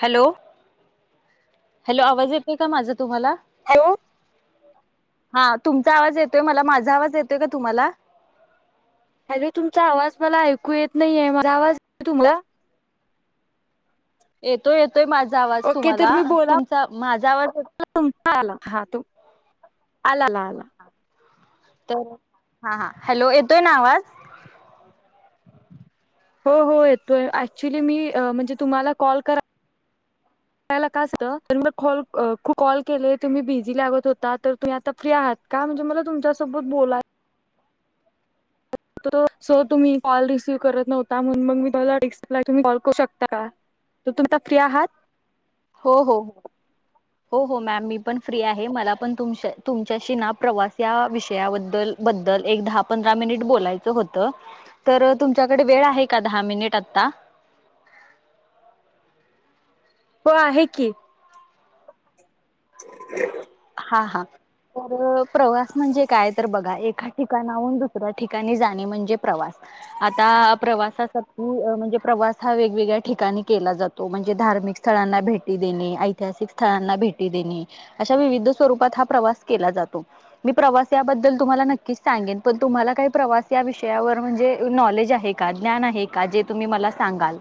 Hello hello आवाज येत आहे का माझा तुम्हाला हॅलो हा तुमचा आवाज येतोय मला माझा आवाज येतोय का तुम्हाला हॅलो तुमचा आवाज मला ऐकू येत नाहीये म आवाज य तुम्हाला येतोय येतोय माझा आवाज तुम्हाला तुमचा माझा आवाज आ हा तु आलाला आला तर हा हा हॅलो येतोय ना आवाज हो हो येतोय ऍक्च्युली मी म्हणजे तुम्हाला कॉल करा यला का असतं तर मला कॉल कॉल केले तुम्ही बिझी लागत होता तर तुम्ही आता फ्री आहात काय म्हणजे मला तुमच्यासोबत बोलाय सो तुम्ही कॉल रिसीव्ह करत नव्हता म्हणून मग मी तला डस्कला तुम्ही कॉल करू शकता त तुमही फ्री आहात हो हो हो हो हो मॅम मी पण फ्री आहे मला पण तुमच्याशी ना प्रवास या विषयाबद्दल बद्दल एक दहा पंध मिनिट बोलायचं होत तर तुमच्याकडे वेळ आहे का दहा मिनिट आता हो आहे की हा हा तर प्रवास म्हणजे काय तर बघा एका ठिकाणाहून दुसऱ्या ठिकाणी जाणे म्हणजे प्रवास आता प्रवासासाठी म्हणजे प्रवास हा वेगवेगळ्या ठिकाणी केला जातो म्हणजे धार धिक स्थळना भेटी दे ऐतिहासिक स्थळांना भेटी दे विविध स्वरूपात प्रवास केला जातो मी प्रवासाबद्दल तुम्हाला नक्कीच सांगेन तुम्हाला काय प्रवास या विषयावर म्हणजे नॉलेज आहे का ज्ञान आहे का जे तुम्ही मला सांगाल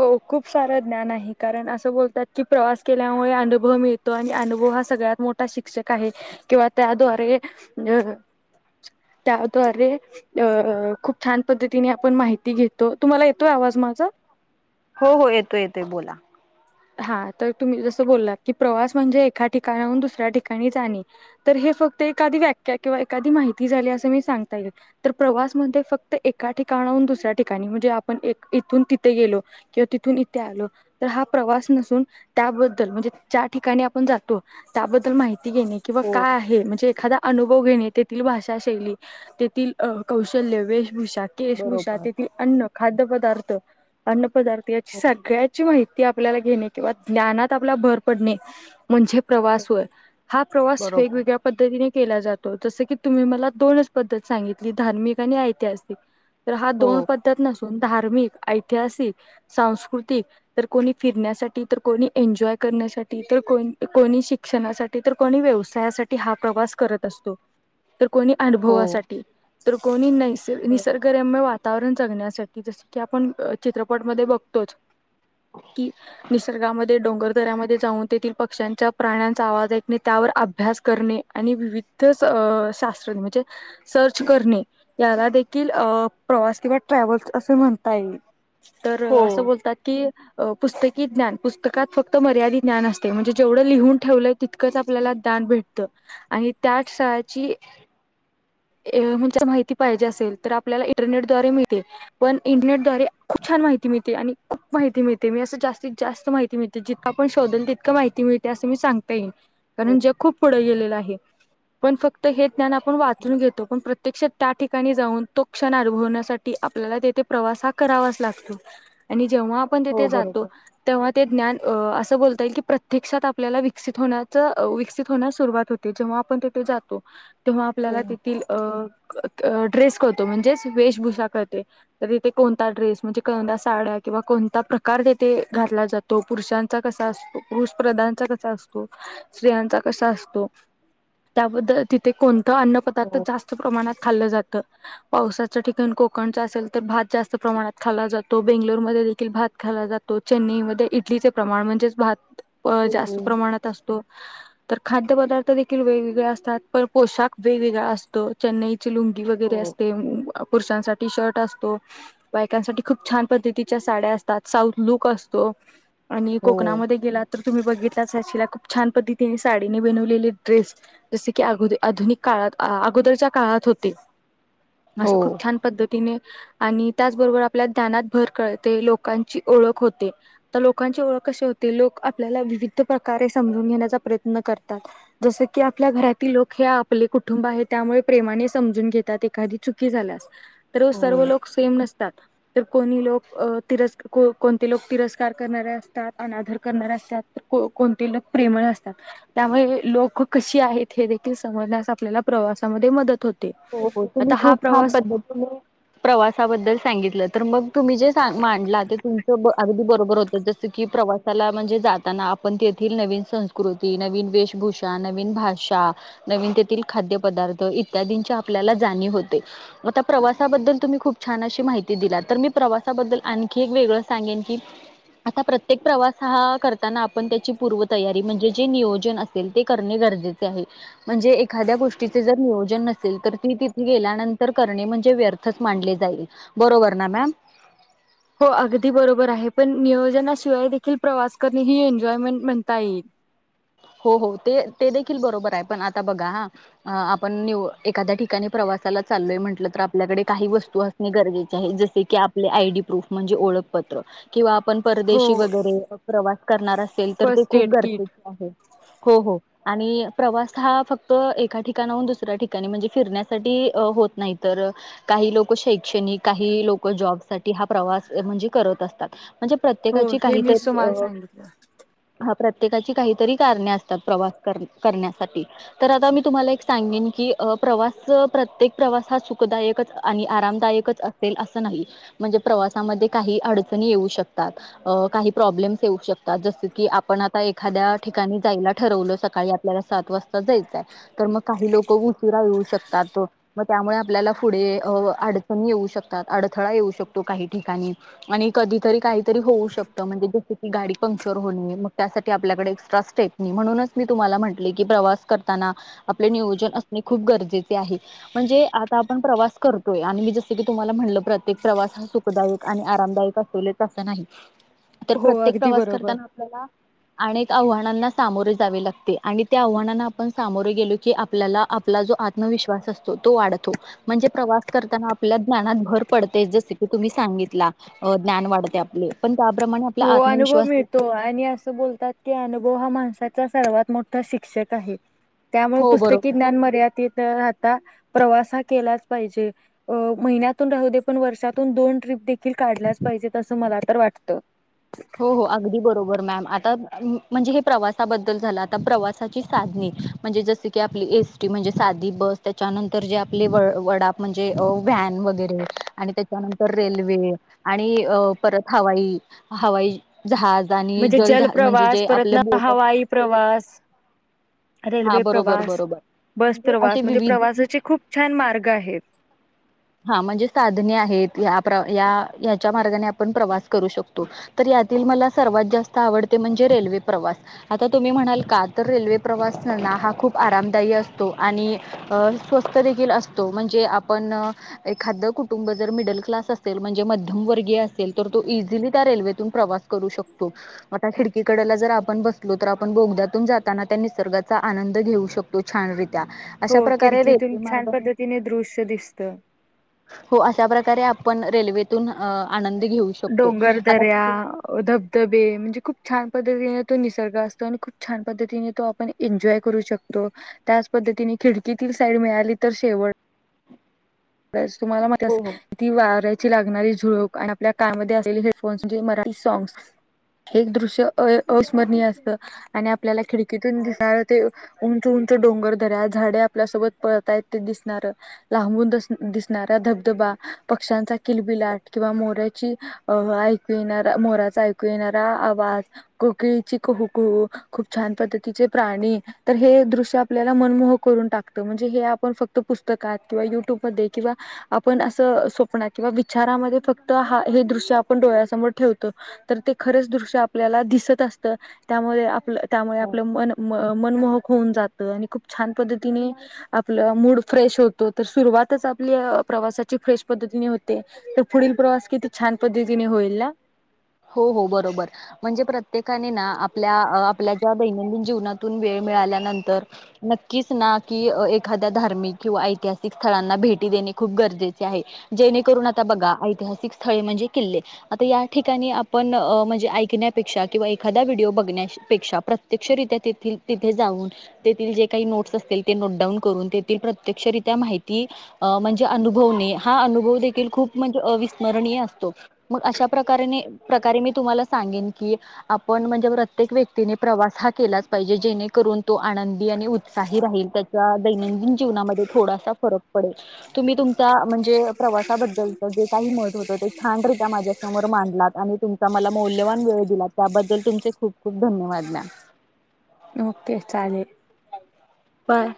हो खूप सारं ज्ञान आहे कारण असं बोलतात की प्रवास केल्यामुळे अनुभव मिळतो आणि अनुभव हा सगळ्यात मोठा शिक्षक आहे किंवा त्याद्वारे अ त्याद्वारे अ खूप छान पद्धतीने आपण माहिती घेतो तुम्हाला येतो आवाज माझा हो हो येतोय येतोय बोला हा तुम्ही जस बोला की प्रवास म्हणजे एका ठिकाणाहून दुसऱ्या ठिकाणी जाणे फक्त एकादी व्याख्या किंवा एखादी माहिती झाली अस मी सांगता येईल प्रवास फक्त एका ठिका ून दुसऱ्या ठिकाणी म्हणजे आपण इथून तिथे गेलो किंवा तिथून इथे आलो तर हा प्रवास नसून त्याबद्दल म्हणजे त्या ठिकाणी आपण जातो त्याबद्दल माहि ेणे किंवा हो काय आहे म्हणजे एखादा अनुभव घेणे तेथील भाषा शैली तेथील कौशल्य वेशभूषा केशभूषा बरोबर तेथील अन्न खाद्य पदार्थ अन्न पदार्थ याची हो सगळ्याची माहिती आपल्याला घेणे किंवा ज्ञानात आपल्याला भर पडणे म्हणजे प्रवास वय हा प्रवास बरोबर वेगवेगळ्या पद्धतीने केला जातो जस की तुम्ही मला दोनच पद्धत सांगितली धार्मिक आणि ऐतिहासिक तर हा दोन हो पद्धती नसून धार्मिक ऐतिहासिक सांस्कृतिक तर कोणी फिरण्यासाठी तर कोणी एन्जॉय करण्यासाठी तर कोणी शिक्षणासाठी तर कोणी व व्यवसायासाठी हा प्रवास करत असतो तर कोणी हो. अनुभवासाठी तर कोणी नैस अ निसर्गरम्य वा वातावरण जगण्यासाठी जस की आपण चित्रपटमध्ये बघतोच ह कि निसर्गामध्ये डोंगरदऱमध्ये जाऊन तेथील पक्ष्यांच्या प्राण्यांचा आवाज ऐकणे त्यावर अभ्यास कर आणि विविध शास्त्रज्ञ म्हणजे सर्च करणे याला देखील अ प्रवास किंवा ट्रॅव्हल्स असे म्हणता येईल तर असं हो. बोलतात की पुस्तक ज्ञान पुस्तकात फक्त मर्यादित ज्ञान असते म्हणजे जेवढ लिहून ठेवलंय तितकंच आपल्याला दान भेटत आणि त्याच शाळांची म्हणजे माहिती पाहिजे असेल तर आपल्याला इंटरनेट दवारे मिळते पण इंटरनेटद्वारे खूप छान माहिती मिळते आणि खूप माहिती मिळते मी अस जास्तीत जास्त माहिती मिळते जितकं आपण शोधल तितकां माहिती मिळते जसं मी सांगते तर हो म्हणजे खूप पुढ गेलेल आहे पण फक्त हे ज्ञान आपण वाचून घेतो पण प्रत प्रत्यक्ष त्या ठिकाणी जाऊन तो क्षण अनुभवण्यासाठी आपल्याला तेथे प्रवास हा करावाच लागतो आणि जेव्हा आपण हो तिथे जातो बरोबर. तेव्हा ते ज्ञान अ असं बोलता येईल की प्रत्यक्षात आपल्याला विकसित होण्याच [inaudible] विकसित होण्यास सुरुवात होते जेव्हा आपण जातो तेव्हा हो. आपल्याला तेथ अ [inaudible] ड्रेस कळतो म्हणजेच वेशभूषा कळते तिथे कोणता ड्रेस म्हणजे कोणत्या साड्या किंवा कोणता प्रकार तेथे घातला जातो पुरुषांचा कसा असतो पुरुषपदांचा कसा असतो स्त्रियांचा कसा असतो, त्याबद्दल तिथे कोणता अन्न पदार्थ हो. जास्त प्रमाणात खाल्लं जात पावसाचं ठिकाण कोकणच असेल तर भात जास्त प्रमाणात खाल्ला जातो, बेंगलोरमध्ये डाल भात खायला जातो, चेन्नईमध्येध्ये इडलीचे प्रमाण म्हणजेच भात हो. जास्त हो प्रमाणात असतो तर खाद्य पदार्थ देखील वेगवेगळे असतात. पण पोशाख वेगवेगळा असतो चेन्नईचे लुंगी वगैरे असते, पुरुषांसाठी शर्ट असतो, बायकांसाठी खूप छान पद्धतीच्या साड्या असतात, साऊथ लुक असतो. आणि हो. कोकणामध्ये गेलात तर तुम्ही बघित बघितलाच असशील खूप छान पद्धतीने साडीने विणलेले ड्रेस जसे की, आधुनिक काळात अगोदरच्या काळात होते असं खूप छान पद्धतीने, आणि त्याचबरोबर आपल्या ज्ञानात भर कळते लोकांची ओळख होते तर लोकांची ओळख कशी होते. लोक आपल्याला विविध प्रकारे समजून घेण्याचा प्रयत्न करतात, जस की आपल्या घरातील लोक आपले कुटुंब आहे त्यामुळे प्रेमाने समजून घेतात, एखादी चुकी झाल्यास तर सर्व हो. लोक सेम नस कोणी लोक कोण लोक तिरस्कार करणारे असतात, अनादर करणारे, असताततर कोणती लोक प्रेमळ असतात, त्यामुळे लोक कशी आहेत हे देखील समज आपल्या प्रवासामध्ये मदत होत. हो -हो तुम्ही खूप छान पद्धतीने प्रवासाबद्दल सांगितलं तर मग तुम्ही जे मांडला ते तुमच अगदी बरोबरग बघू होत जसं की प्रवासाला म्हणजे जाताना आपण तेथील नवीन संस्कृती, नवीन वेशभूषाण, नवीन भाषा, नवीन तेथील खाद्यपदार्थ, इत्यादींच्या, आपल्याला जाणीव होते. मग त्या प्रवासाबद्द तुम्ही खूप छान अशी माहिती दिला तर मी प्रवासाबद्दल आणखी एक वेगळं सांगेन की, आता प्रत्येक प्रवास हा करताना आपण त्याची पूर्वतयारी म्हणजे जे नियोजन असेल ते करने गरजे गरजेचे आहे, म्हणजे एखाद्या गोष्टीचे नियोजन नसेल तर ती तिथे गेल्यानंतर करणे, म्हणजे व्यर्थच मांडले जाईल बरोबर ना मॅम. हो अगदी बरोबर आहे पण नियोजनाशिवाय देखील प्रवास करणे ही एन्जॉयमेंट म्हणता येईल. ह [inaudible] [unintelligible] हो हो ते देखील बरोबर आहे, पण आता बघा हा आपण एखाद्या ठिकाणी प्रवास त्याला चालोय म्हटलं आपल्याडे काही वस्तू असणे गरजे जसे की आपले आयडी प्रूफ म्हणजे ओळखपत्र किंवा आपण परदेशी हो वगैरे प्रवास करणार असेल तर ते फर्स्ट खूप एड किट गरजेचे आहे. हो- हो आणि प्रवास हा फक्त एका ठिकाणाहून दुसऱ्या ठिकाणी म्हणजे, फिरण्यासाठी होत नाही तर लोक शैक्षणिक, काही लोक जॉबसाठी प्रवास म्हणजे करतील करत असतात म्हणजे हो प्रत्येकाची हे काही मीच तुम्हाला तर सांगितलं हा प्रत्येकाची काही‌ तरी, कारणे असतात प्रवास करण्यासाठी तर तुम्हाला मी सांगेन की प्रवास अ प्रत्येक प्रवास हा सुखदायक आणि आरामदायकच असेल असं नाही, म्हणजे प्रवासामध्ये काही अडणी ये शकतात, काही प्रॉब्लेम येऊ शकतात, जस की आपण आ एखाद्या ठिकाणी जायला ठरवलं सकाळी आपल्याला सात वाजता जायचंय तर मग काही लोक उशिरा येऊ शकतात. मग त्यामुळे आपल्याला पुढे अडचणी येऊ शकतात, अडथळा येऊ शकतो काही ठिकाणी आणि कधीतरी काहीतरी होऊ शकतं, म्हणजे जस की गाडी पंक्चर होणे, मग त्यासाठी आपल्याकडे म्हणून मी तुम्हाला म्हटले की प्रवास करताना, आपले नियोजन असणे खूप गरजेचे आहे. म्हणजे आ आपण प्रवास करतोय आणि जसं की तुमला म्हण प्रत्येक प्रवास हा सुखदाय आणि आनं आरामदायक अस अस नाही, तर हो प्रत्येक अगदी प्रवास बरोबर. करताना आपल्याला आव्हानाना सामोरे जावे लागते आणि त्या आव्हानाना आपण सामोरे गेलो की आपल्याला आपला जो आत्म विश्वास असतो तो वाढतो म्हणजे प्रवास करताना आपल्या ज्ञानात भर पडते जस की तुम्ही सांगितला. ला ज्ञान वाढते आपले. त्याप्रमाणे आपला हो अनुभव आत्मविश्वास मिळतो, देखील वाढतो आणि असं बोलतात की अनु हा माणसाचा सर्वात मोठा शिक्षक आहे, त्यामुळे हो बरोबर पुस्तकी ज्ञान मर्यादित आता प्रवास केलाच पाहिजे महिन्यातून राह दे पण वर्षातून दोन ट्रीप देखील काढल्याच पाहिजेत असं मला तर वाटतं. हो हो अगदी बरोबर मॅम, आता म्हणजे हे प्रवासाबद्दल झालं आता प्रवासाची साधणी म्हणजे जस की आपली एसटी. म्हणज साधी बस त्याच्यानंतर जे आपले वडा म्हणजे व्हॅन वगैरे आणि त्याच्या रेल्वे आणि परत हवाई हवाई जहाज. आणि म्हणजे जल जलजहाज म्हणजे प्र्रवास जे परत आपले ना बोट हवाई प्रवास हा रेल्वे बरोबर प्रवास बरोबर बस म्हणजे प्रवास असे म्हणजे विविध प्रवासाचे खूप छान मार्ग आहेत. हा म्हणजे साधने आहेत या. या हच्या मार्गाने आपण प्रवास करू शकतो तर यातील मला सर्वात जास्त आवडते म्हणजे रे रेल् प्रवास आता तुम्ही म्हणाल का तर रेल्वे प्रवास असना हा खूप आरामदायी असतो आणि स्वस्थ देखील असतो म्हणजे आपण. एखाद कुटुंब जर मिडल क्लास असेल म्हणजे मध्यम वर्गीय असेल तर तो इझिली त्या रेल्वून ो खड आपण बलो ब जना निस चा आनंद घेऊ शकतो छान र हो अशा प्रकारे खिडकीतून रेल्वे छान मार्ग. पद्धतीने दृश्य दिसतं. हो अशा प्रकारे आपण रेल्वेतून आनंद घेऊ शकतो आता डोंगरदर्या धबधबे म्हणजे खूप छान. पद्तीने तो निसर्ग असतो आणि खूप छान पद्धतीने त आपण एन्ॉय करू शकतो त्याच पद्धतीने खिडकीतील साईड मिळाली तर शेवट [unintelligible] तुम्हाला हो हो किती वा? ची लागणारी झुळक आणि आपल्या कामध्ये असलेले हेडफोन्स म्हणजे मराठी सॉग्स एक दृश्य अ असस्मरणीय असत आणि आपल्याला खिडकीतून दिसं ते उंच उ डोंगर र झाडे आपल्या सोबत पताय दिसणार लां. दिसणारऱा धबधबा पक्ष्यांचा किलबिलाट किंवा मोऱ्याची ऐकू येणार. मोरा ऐक येणारा आवाज कोकळी कू कहू खूप छान पद्धतीचे प्राणी दृ आपल्या मन कर टा म्हणजे आपण फक्त पुतकात किवाुट्य किंवा आपण अस स्वप किंवा विचारामध्ये फक्त हा दृश्य आपण डोळ्यासमोर ठे खरच दृ आपल्या दिसत असत त्यामुळे त्यामुळे हो आपलं मन मनमहक होऊन जात आणि खूप छान पद्धतीने आपलं मूड फ्रेश होत तर सुरवात आपल्या प्रवासाची फ्रेश पद्धतीने होते तर पुढील प्रवास किती छान पद्धतीने होईल ना. हो हो बरोबर म्हणजे प्रत्येकाने ना आपल्या आपल्या ज्या दैनंदिन ज वे मिळाल्या न क एखा्या धार्मिक किं ऐतििक भेी दे खप गरजे जेणेून आता बघा ऐतिहासिक स्थ म्हणजे किल्ले आ ठिका ा आपण म्हणजे ऐकण्यापेक्षा किंवा एखादा व्हिडिओ बघण्यापेक्षा प्रत्यक्षरित्या तेथील तिथे जाऊन तेथील जे काही नोट्स असतील ते नोटडाऊन करून तेथ प्रत्यक्षरित्या माहिती म्हणजे अुभवणे हा अनुभव देखील खूप म्हणजे अस्मणीय असतो मग अशा प्रकार प्रकारे मी तुम्हाला सांगेन की? आपण म्हणजे प्रत्येक व्यक्तीने प्रवास हा केलाच पाहिजे. जेने करून तो आनंदी आणि उत्साही राहील. त्याच्या दैनंदिन जीवनात थोडासा फरक पडेल. तुम्ही तुम म्हणजे प्रवासाबद्दलच जे काही मत होतं. ते छान रित्या माझ्या तुमचा मला मौल्यवान वेळ दिलात त्याबद्दल तुम खूप खूप धन्यवाद. ओके.. चालेल बाय.